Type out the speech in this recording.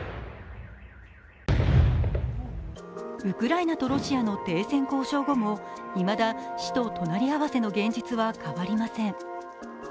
ウクライナとロシアの停戦交渉後もいまだ死と隣り合わせの現実は変わりません。